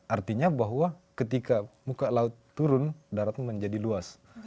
artinya bahwa ketika muka laut turun darat menjadi luas